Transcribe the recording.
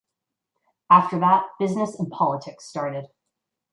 After that business and politics started.